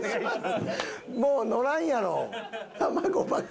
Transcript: もうのらんやろ。